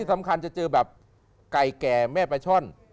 สำคัญจะเจอแบบไก่แก่แม่ปลาช่อน